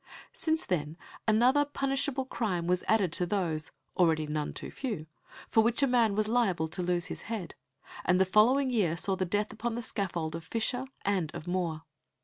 Since then another punishable crime was added to those, already none too few, for which a man was liable to lose his head, and the following year saw the death upon the scaffold of Fisher and of More.